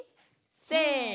せの。